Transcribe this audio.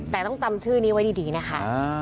แต่ต้องจำชื่อนี้ไว้ดีนะคะ